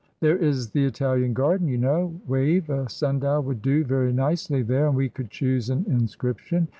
"There is the Italian garden, you know, Wave, a sundial would do very nicely there, and we could choose an inscription."